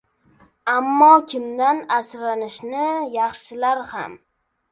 Ammo kimdan asranishni yaxshilar ham